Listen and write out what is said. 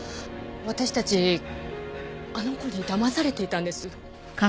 私たちあの子にだまされていたんです。